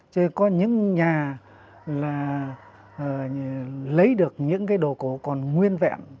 chứ có những nhà là lấy được những cái đồ cổ còn nguyên vẹn